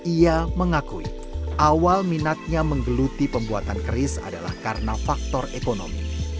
ia mengakui awal minatnya menggeluti pembuatan keris adalah karena faktor ekonomi